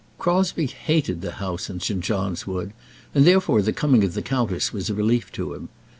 Crosbie hated the house in St. John's Wood, and therefore the coming of the countess was a relief to him.